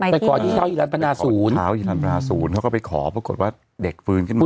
ไปขอที่เช้าอีรันปนาศูนย์เขาก็ไปขอปรากฏว่าเด็กฟื้นขึ้นมา